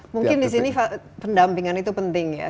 mungkin di sini pendampingan itu penting ya